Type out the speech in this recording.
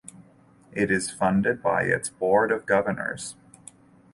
It is funded by its board of governors.